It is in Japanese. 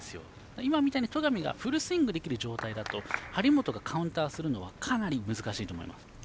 今みたいに戸上がフルスイングできる状態だと張本がカウンターするのはかなり難しいと思います。